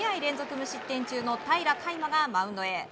無失点中の平良海馬がマウンドへ。